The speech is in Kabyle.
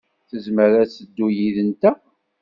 Tezmer ad teddu yid-nteɣ.